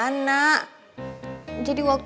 jadi waktu kita pulang dari puncak